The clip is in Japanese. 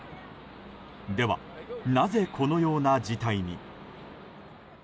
では、なぜこのような事態に？